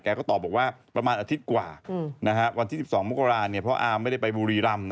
แกก็ตอบว่าประมาณอาทิตย์กว่านะวันที่๑๒มมกราศพออาร์ก็ไม่ได้ไปบุรีรัม